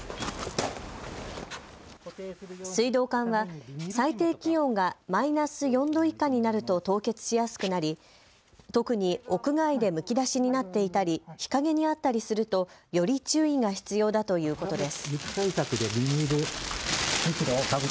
水道管は最低気温がマイナス４度以下になると凍結しやすくなり特に屋外でむき出しになっていたり日陰にあったりするとより注意が必要だということです。